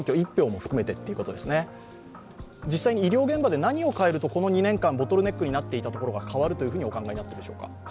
実際に医療現場で何を変えると、この２年間、ボトルネックになっていたところが変わるというふうにお考えでしょうか？